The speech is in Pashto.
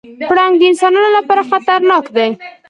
پړانګ د انسانانو لپاره خطرناک دی.